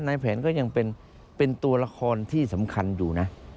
ในแผนก็ยังเป็นตัวละครที่สำคัญอยู่นะ